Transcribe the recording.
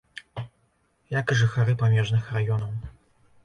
Як і жыхары памежных раёнаў.